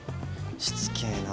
しつけえな。